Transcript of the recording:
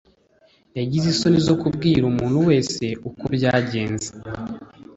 yagize isoni zo kubwira umuntu wese uko byagenze.